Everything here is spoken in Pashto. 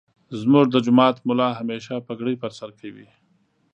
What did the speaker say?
زمونږ دجماعت ملا همیشه پګړی پرسرکوی.